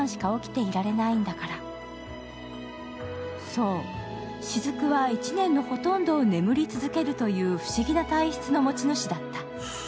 そう、雫は１年のほとんどを眠り続けるという不思議な体質の持ち主だった。